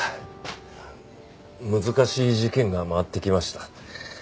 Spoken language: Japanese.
難しい事件が回ってきました。